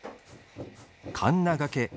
かんながけ。